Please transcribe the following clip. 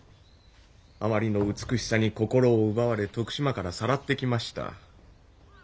あまりの美しさに心を奪われ徳島からさらってきました。